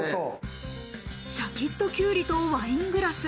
シャキットきゅうりとワイングラス。